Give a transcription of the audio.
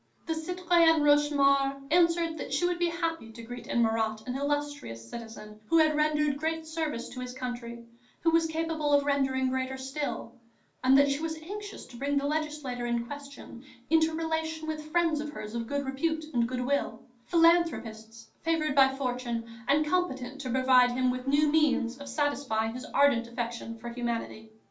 The citoyenne Rochemaure answered that she would be happy to greet in Marat an illustrious citizen, who had rendered great services to his country, who was capable of rendering greater still, and that she was anxious to bring the legislator in question into relation with friends of hers of good repute and good will, philanthropists favoured by fortune and competent to provide him with new means of satisfying his ardent affection for humanity.